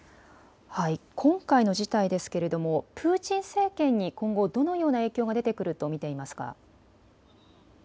今回の事態ですけれどもプーチン政権に今後どのような影響が出てくると見ていますか。